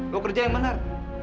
lo kerja yang benar